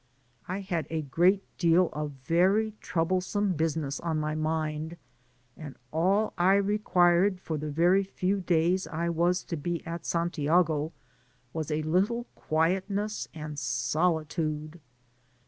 I had a great deal of very troublesome business on my mind, and all I required for the very few days I Digitized byGoogk 188 PASSAGE ACROSS was to be at Santiago, was a little quietness and solitude.